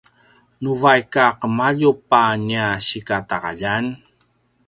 nu vaik a qemaljup a nia sikataqaljan